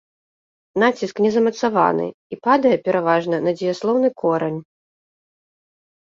Націск не замацаваны, і падае, пераважна, на дзеяслоўны корань.